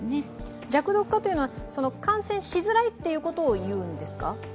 弱毒化というのは、感染しづらいことを言うんですか？